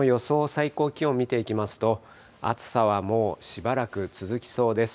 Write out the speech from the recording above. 最高気温を見ていきますと、暑さはもうしばらく続きそうです。